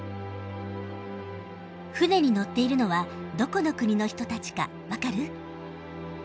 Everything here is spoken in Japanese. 船に乗っているのはどこの国の人たちか分かる？